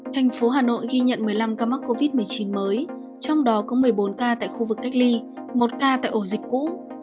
thành phố hà nội ghi nhận một mươi năm ca mắc covid một mươi chín mới trong đó có một mươi bốn ca tại khu vực cách ly một ca tại ổ dịch cũ